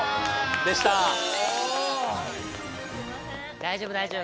大丈夫大丈夫。